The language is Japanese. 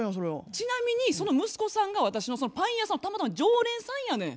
ちなみにその息子さんが私のそのパン屋さんのたまたま常連さんやねん。